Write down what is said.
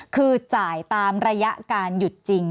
คือจ่ายตามระยะการหยุดจริง